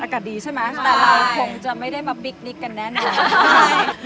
อากาศดีใช่ไหมแต่เราคงจะไม่ได้มาปิ๊กนิกกันแน่นอนใช่